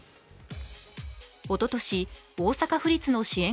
おととし大阪府立の支援